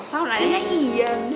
tau gak ini iyan